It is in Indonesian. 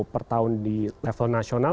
per tahun di level nasional